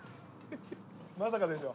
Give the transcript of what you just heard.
まさかでしょ。